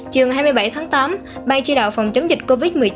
chiều hai mươi bảy tháng tám ban chỉ đạo phòng chống dịch covid một mươi chín